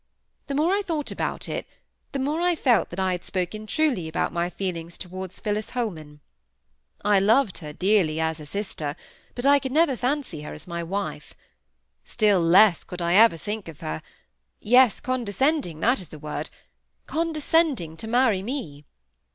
The more I thought about it, the more I felt that I had spoken truly about my feelings towards Phillis Holman. I loved her dearly as a sister, but I could never fancy her as my wife. Still less could I think of her ever—yes, condescending, that is the word—condescending to marry me.